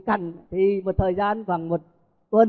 cằn thì một thời gian khoảng một tuần